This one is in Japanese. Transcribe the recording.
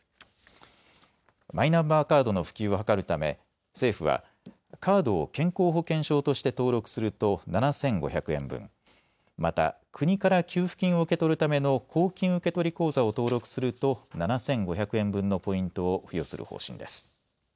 マイナンバーカードの普及を図るため政府はカードを健康保険証として登録すると７５００円分、また国から給付金を受け取るための公金受取口座を登録すると７５００円分のポイントを付与する方針です。